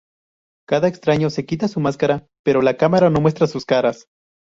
Cada extraño se quita su máscara, pero la cámara no muestra sus caras.